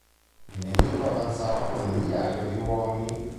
Il nemico avanzava con un migliaio di uomini.